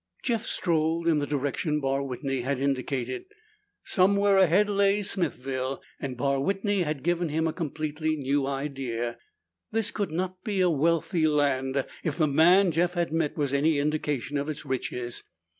Jeff strolled in the direction Barr Whitney had indicated. Somewhere ahead lay Smithville, and Barr Whitney had given him a completely new idea. This could not be a wealthy land if the man Jeff had met was any indication of its riches.